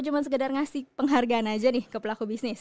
cuma sekedar ngasih penghargaan aja nih ke pelaku bisnis